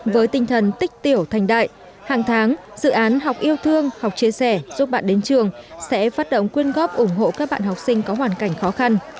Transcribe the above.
với tinh thần tích tiểu thành đại hàng tháng dự án học yêu thương học chia sẻ giúp bạn đến trường sẽ phát động quyên góp ủng hộ các bạn học sinh có hoàn cảnh khó khăn